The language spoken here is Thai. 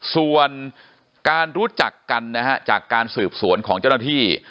ส่วนการรู้จักกันนะฮะจากการสืบสวนของเจ้าหน้าที่